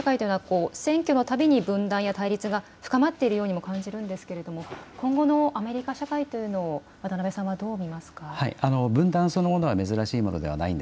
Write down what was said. アメリカ社会というのは選挙のたびに分断や対立が深まっているようにも感じるんですが今後のアメリカ社会というのを渡辺さんはどう見ますか。